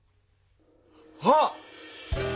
あっ！